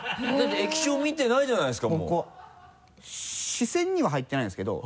視線には入ってないんですけど